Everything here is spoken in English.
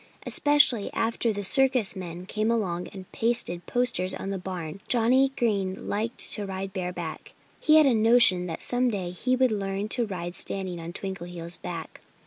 Especially after the circus men came along and pasted posters on the barn Johnnie Green liked to ride bareback. He had a notion that some day he would learn to ride standing on Twinkleheels' back.